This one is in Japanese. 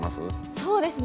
そうですね。